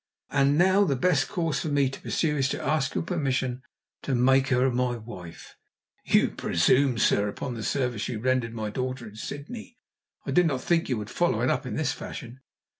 And now the best course for me to pursue is to ask your permission to make her my wife." "You presume, sir, upon the service you rendered my daughter in Sydney. I did not think you would follow it up in this fashion."